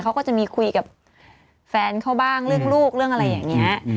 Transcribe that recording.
เขาก็จะมีคุยกับแฟนเขาบ้างเรื่องลูกเรื่องอะไรอย่างนี้